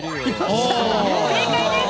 正解です！